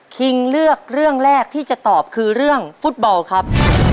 คิงเลือกเรื่องแรกที่จะตอบคือเรื่องฟุตบอลครับ